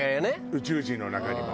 宇宙人の中にも。